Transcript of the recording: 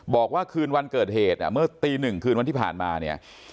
บอกว่าคืนวันเกิดเหตุเมื่อตีหนึ่งคืนวันที่ผ่านมาเนี่ย